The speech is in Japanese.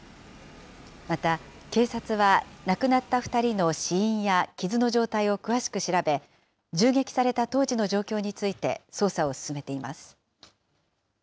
また、警察は亡くなった２人の死因や傷の状態を詳しく調べ、銃撃された当時の状況について捜査を進めています。